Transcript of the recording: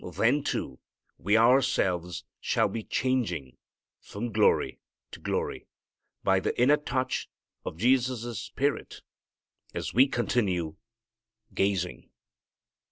Then, too, we ourselves shall be changing from glory to glory, by the inner touch of Jesus' Spirit, as we continue gazing.